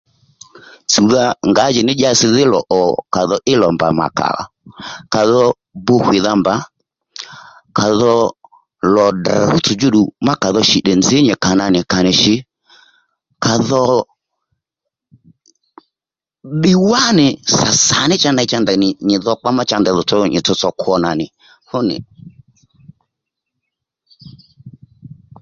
Tsùwdha ngǎjìní dyasi dhí lò ò kà dho í lò mbà mà kǎ à dho bu hwìdha mbà kà dho lò drr̀ rútsò djú ddù má kà dho shì nzǐ nyì kà nà nì à nì shǐ à dho ddiy wánì sà sà ní cha ney ndèy nì nì nyì dhokpǎ cha ney ndèy dho nyì tsotso kwo ndanà nì fú nì